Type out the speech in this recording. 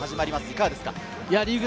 いかがですか？